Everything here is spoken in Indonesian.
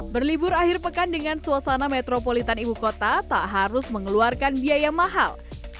berlibur akhir pekan dengan suasana metropolitan ibu kota tak harus mengeluarkan biaya mahal